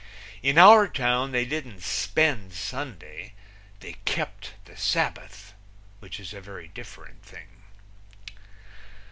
In our town they didn't spend Sunday; they kept the Sabbath, which is a very different thing.